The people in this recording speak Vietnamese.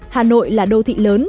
hà nội là đô thị lớn